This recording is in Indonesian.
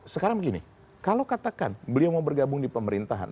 sekarang begini kalau katakan beliau mau bergabung di pemerintahan